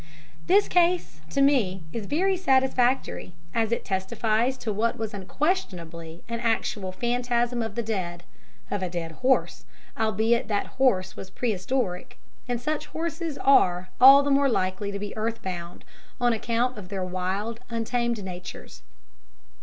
This case, to me, is very satisfactory, as it testifies to what was unquestionably an actual phantasm of the dead of a dead horse albeit that horse was prehistoric; and such horses are all the more likely to be earth bound on account of their wild, untamed natures.